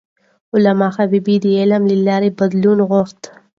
علامه حبيبي د علم له لارې بدلون غوښت.